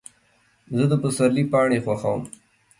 زه د پسرلي پاڼې خوښوم.